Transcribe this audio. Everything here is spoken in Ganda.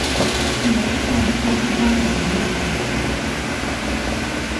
Kino kitandika okuva nga nnya ogw'omusanvu.